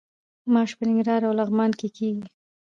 ماش په ننګرهار او لغمان کې کیږي.